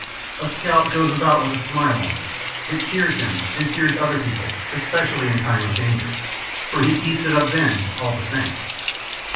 A scout goes about with a smile on. It cheers him and cheers other people, especially in time of danger, for he keeps it up then all the same.